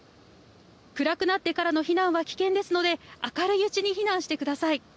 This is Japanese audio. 暗くなってからの避難は危険ですので、明るいうちに避難してください。